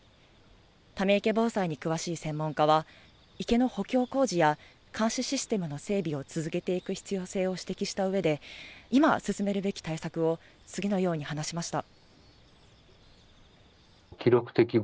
ため池防災に詳しい専門家は、池の補強工事や監視システムの整備を続けていく必要性を指摘したうえで、今、進めるべき対策を次のように話しました。